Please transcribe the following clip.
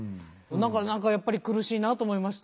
何かやっぱり苦しいなと思いました。